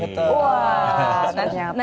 wah ternyata ya